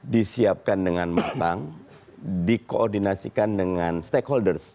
disiapkan dengan matang dikoordinasikan dengan stakeholders